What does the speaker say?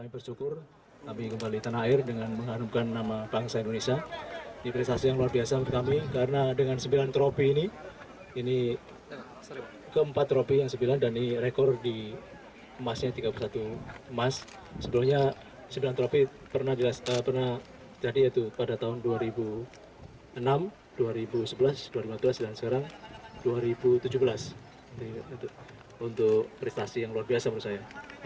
pada tahun dua ribu enam dua ribu sebelas dua ribu lima belas dan sekarang dua ribu tujuh belas untuk prestasi yang luar biasa menurut saya